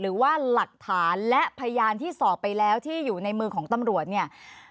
หรือว่าหลักฐานและพยานที่สอบไปแล้วที่อยู่ในมือของตำรวจเนี่ย